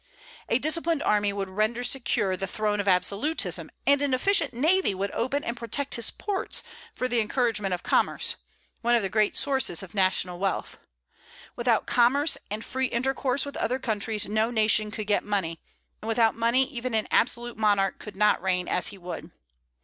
A disciplined army would render secure the throne of absolutism, and an efficient navy would open and protect his ports for the encouragement of commerce, one of the great sources of national wealth. Without commerce and free intercourse with other countries no nation could get money; and without money even an absolute monarch could not reign as he would.